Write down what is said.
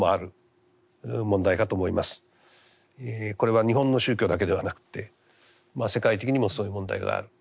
これは日本の宗教だけではなくて世界的にもそういう問題がある。